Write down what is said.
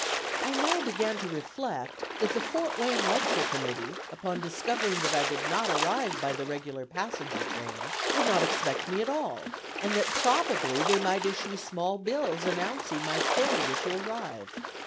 I now began to reflect that the Fort Wayne lecture committee, upon discovering that I did not arrive by the regular passenger train, would not expect me at all, and that probably they might issue small bills announcing my failure to arrive.